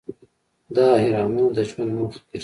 دا اهرامونه د ژوند موخه ګرځي.